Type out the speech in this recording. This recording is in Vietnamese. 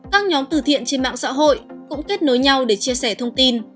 các nhóm từ thiện trên mạng xã hội cũng kết nối nhau để chia sẻ thông tin